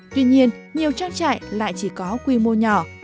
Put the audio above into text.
tuy nhiên nhiều trang trại lại chỉ có quy mô nhỏ